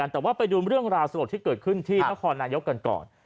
แต่ว่าไปดูเรื่องราวสลดที่เกิดขึ้นที่นครนายกกันก่อน